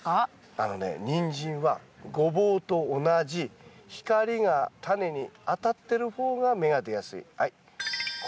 あのねニンジンはゴボウと同じ光がタネに当たってる方が芽が出やすい。